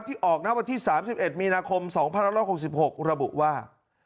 ที่ออกวันที่๓๑มีนาคม๒๐๑๖ระบุว่า